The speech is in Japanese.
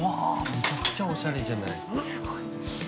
◆むちゃくちゃおしゃれじゃない。